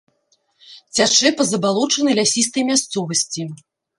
Цячэ па забалочанай лясістай мясцовасці.